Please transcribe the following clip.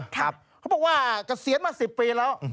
เขาบอกว่ากระเสียงมา๑๐ปีแล้ว